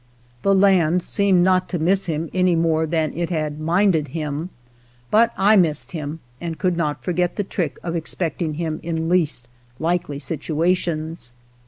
The land seemed not to miss him any more than it had minded him, but I missed him and could not forget the trick of expecting him in least likely situations.